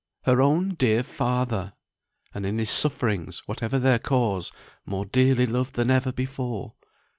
her own dear father! and in his sufferings, whatever their cause, more dearly loved than ever before.